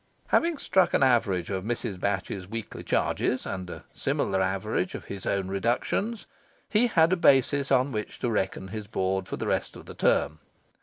Having struck an average of Mrs. Batch's weekly charges, and a similar average of his own reductions, he had a basis on which to reckon his board for the rest of the term.